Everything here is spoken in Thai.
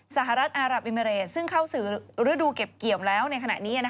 สหรัฐอารับอิมิเรตซึ่งเข้าสู่ฤดูเก็บเกี่ยวแล้วในขณะนี้